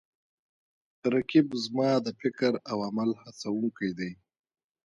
رقیب زما د فکر او عمل هڅوونکی دی